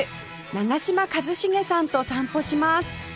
長嶋一茂さんと散歩します